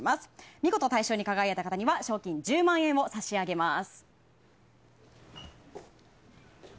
見事、壁の穴大賞に輝いた方には賞金１０万円を差し上げます。